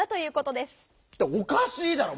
おかしいだろ！